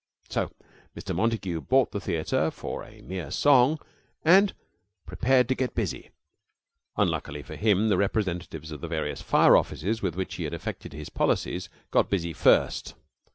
So Mr. Montague bought the theater for a mere song, and prepared to get busy. Unluckily for him, the representatives of the various fire offices with which he had effected his policies got busy first.